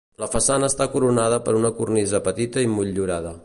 La façana està coronada per una cornisa petita i motllurada.